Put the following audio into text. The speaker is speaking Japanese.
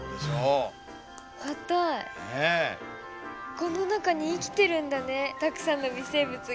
この中に生きてるんだねたくさんの微生物が。